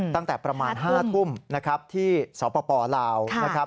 ตั้งแต่ประมาณ๕ทุ่มที่สปลาว